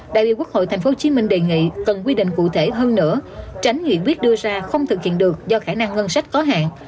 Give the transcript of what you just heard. đại biểu quốc hội tp hcm đề nghị cần quy định cụ thể hơn nữa tránh nghị quyết đưa ra không thực hiện được do khả năng ngân sách có hạn